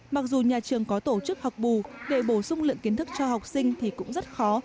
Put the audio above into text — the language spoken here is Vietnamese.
mặc dù nhà trường có tổ chức học bù để bổ sung lượng kiến thức cho học sinh thì cũng rất khó